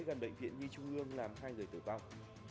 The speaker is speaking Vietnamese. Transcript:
gần bệnh viện nhi trung ương làm hai người tử vong